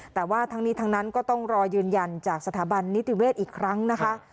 แต่ว่าทั้งนี้ทั้งนั้นก็ต้องรอยืนยันจากสถาบันนิติเวศอีกครั้งนะคะ